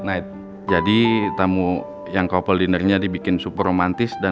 maka kita akan berdua